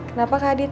kenapa kak adit